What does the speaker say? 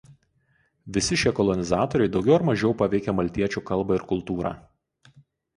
Visi šie kolonizatoriai daugiau ar mažiau paveikė maltiečių kalbą ir kultūrą.